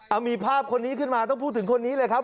เอามีภาพคนนี้ขึ้นมาต้องพูดถึงคนนี้เลยครับ